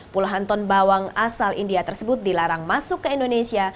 puluhan ton bawang asal india tersebut dilarang masuk ke indonesia